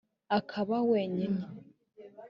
akaba wenyine